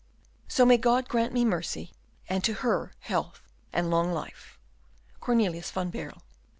"So may God grant me mercy, and to her health and long life! "Cornelius van Baerle."